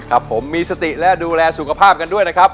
ครับผมมีสติและดูแลสุขภาพกันด้วยนะครับ